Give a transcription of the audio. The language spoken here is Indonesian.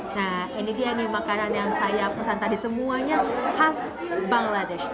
nah ini dia nih makanan yang saya pesan tadi semuanya khas bangladesh